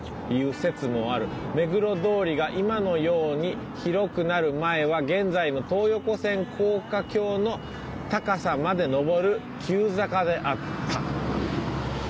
「目黒通りが今のように広くなる前は現在の東横線高架橋の高さまで上る急坂であった」